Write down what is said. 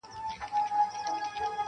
راسه چي دي حسن ته جامې د غزل وا غوندم-